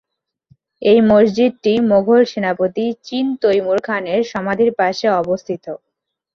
এই মসজিদটি মোঘল সেনাপতি চীন তৈমুর খানের সমাধির পাশে অবস্থিত।